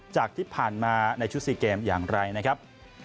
จากที่ผ่านมาในชุด๔เกมอย่างไรนะครับ